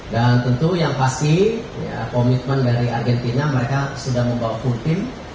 dan tentu yang pasti komitmen dari argentina mereka sudah membawa full tim